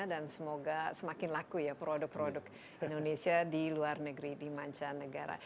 dan semoga semakin laku produk produk indonesia di luar negara